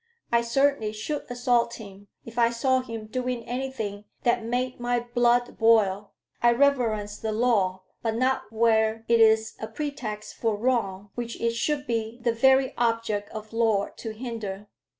I certainly should assault him if I saw him doing anything that made my blood boil: I reverence the law, but not where it is a pretext for wrong, which it should be the very object of law to hinder.